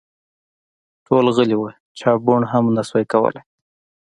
ټول غلي وه ، چا بوڼ هم شو کولی !